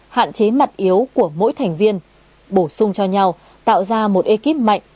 hạn chế mặt yếu của mỗi thành viên bổ sung cho nhau tạo ra một ekip mạnh